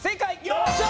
よっしゃ！